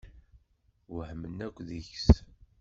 Wehmen akk deg-s.